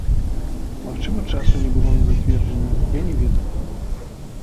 Магчыма, часу не было на зацверджанне, я не ведаю!